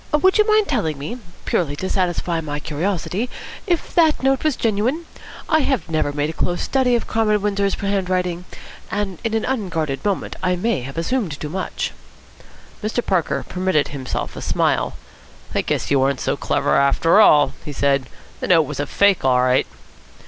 Would you mind telling me, purely to satisfy my curiosity, if that note was genuine? I have never made a close study of Comrade Windsor's handwriting, and in an unguarded moment I may have assumed too much." Mr. Parker permitted himself a smile. "I guess you aren't so clever after all," he said. "The note was a fake all right."